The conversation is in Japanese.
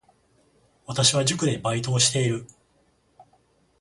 私は塾でバイトをしている